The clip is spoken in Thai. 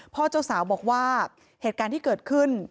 เจ้าสาวบอกว่าเหตุการณ์ที่เกิดขึ้น